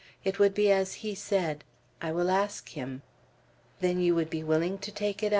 It would be as he said. I will ask him." "Then you would be willing to take it?"